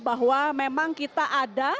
bahwa memang kita ada